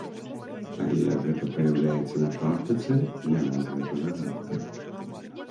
Але як гэта праяўляецца на практыцы, для нас гэта загадка.